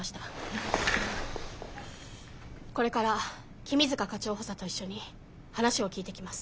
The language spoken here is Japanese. これから君塚課長補佐と一緒に話を聞いてきます。